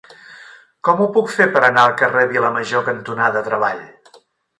Com ho puc fer per anar al carrer Vilamajor cantonada Treball?